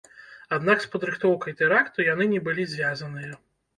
Аднак з падрыхтоўкай тэракту яны не былі звязаныя.